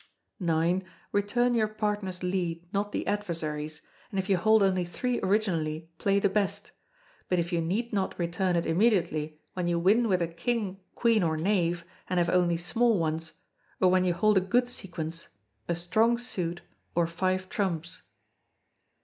ix. Return your partner's lead, not the adversaries'; and if you hold only three originally, play the best; but you need not return it immediately, when you win with a king, queen, or knave, and have only small ones, or when you hold a good sequence, a strong suit, or five trumps.